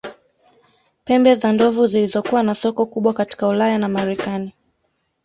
Pembe za ndovu zilizokuwa na soko kubwa katika Ulaya na Marekani